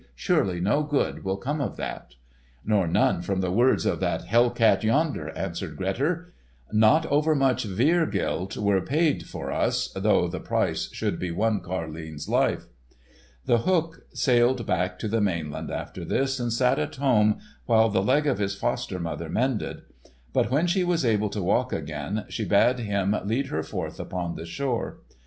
"Surely no good will come of that." "Nor none from the words of that hell cat yonder," answered Grettir. "Not over much were gild were paid for us, though the price should be one carline's life." The Hook sailed back to the mainland after this, and sat at home while the leg of his foster mother mended. But when she was able to walk again, she bade him lead her forth upon the shore.